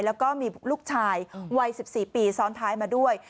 แล้วก็มีลูกชายวัย๑๔ปีซ้อนท้ายมาด้วย